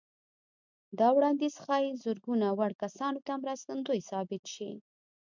دا وړانديز ښايي زرګونه وړ کسانو ته مرستندوی ثابت شي.